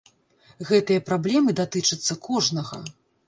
Гэтыя праблемы датычацца кожнага.